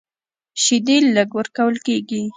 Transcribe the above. شیدې لږ ورکول کېږي.